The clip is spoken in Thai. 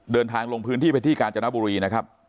เดินทางลงพื้นที่ไปที่กาญจนบุรีนะครับ